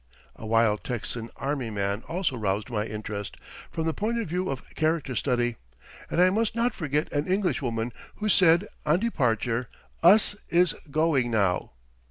A wild Texan army man also roused my interest, from the point of view of character study; and I must not forget an Englishwoman, who said, on departure, "Us is going now."